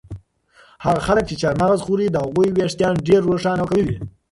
هغه خلک چې چهارمغز خوري د هغوی ویښتان ډېر روښانه او قوي وي.